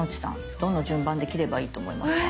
どの順番で切ればいいと思いますか？